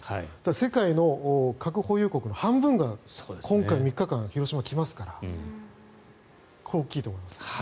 世界の核保有国の半分が今回３日間、広島に来ますからこれは大きいと思います。